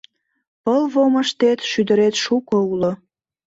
Пылвомыштет шӱдырет шуко уло